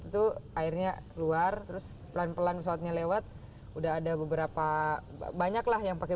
tuh airnya keluar terus pelan pelan pesawatnya lewat udah ada beberapa banyaklah yang pakai